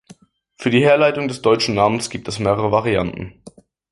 Für die Herleitung des deutschen Namens gibt es mehrere Varianten.